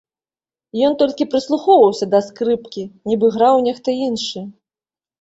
Ён толькі прыслухоўваўся да скрыпкі, нібы граў нехта іншы.